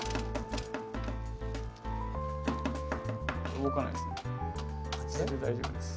動かないですね？